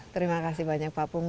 terima kasih banyak pak pung